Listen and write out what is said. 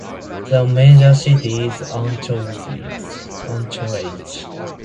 The major city is Anchorage.